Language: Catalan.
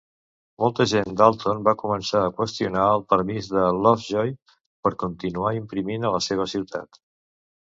Molta gent d'Alton va començar a qüestionar el permís de Lovejoy per continuar imprimint a la seva ciutat.